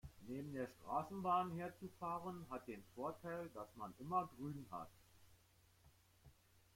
Neben der Straßenbahn herzufahren, hat den Vorteil, dass man immer grün hat.